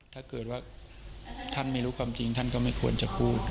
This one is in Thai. ถ้าเกิดว่าท่านไม่รู้ความจริงท่านก็ไม่ควรจะพูด